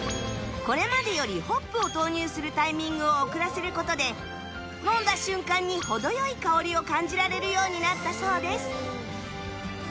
これまでよりホップを投入するタイミングを遅らせる事で飲んだ瞬間に程良い香りを感じられるようになったそうです